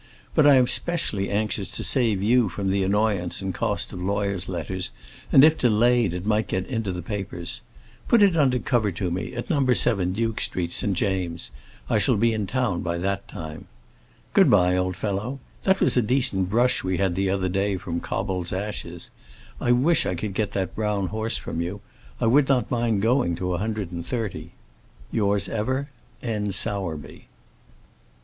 But I am specially anxious to save you from the annoyance and cost of lawyers' letters; and if delayed, it might get into the papers. Put it under cover to me, at No. 7, Duke Street, St. James's. I shall be in town by that time. Good bye, old fellow. That was a decent brush we had the other day from Cobbold's Ashes. I wish I could get that brown horse from you. I would not mind going to a hundred and thirty. Yours ever, N. SOWERBY.